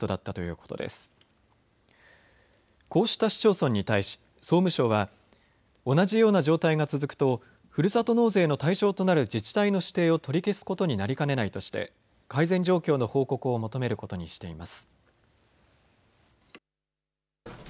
こうした市町村に対し総務省は同じような状態が続くとふるさと納税の対象となる自治体の指定を取り消すことになりかねないとして改善状況の報告を求めることにしています。